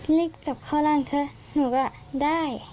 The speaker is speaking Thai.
ก็รีกจับเข้าล้างเทอะหนูก็ได้